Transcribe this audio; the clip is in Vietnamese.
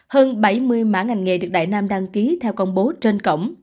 hơn bảy mươi mã ngành nghề được đại nam đăng ký theo công bố trên cổng